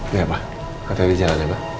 iya pak kau taruh di jalan ya pak